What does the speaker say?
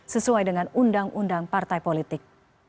sesuai dengan undang undang partai politik